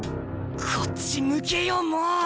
こっち向けよもう！